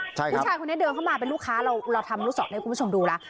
ผู้ชายคนนี้เดินเข้ามาเป็นลูกค้าเราทำลูกศรให้คุณผู้ชมดูแล้ว